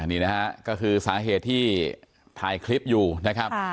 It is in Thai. นี่นะฮะก็คือสาเหตุที่ถ่ายคลิปอยู่นะครับ